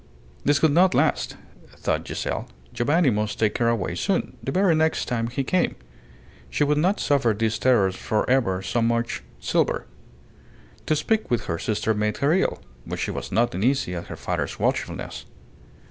This could not last, thought Giselle. Giovanni must take her away soon the very next time he came. She would not suffer these terrors for ever so much silver. To speak with her sister made her ill. But she was not uneasy at her father's watchfulness.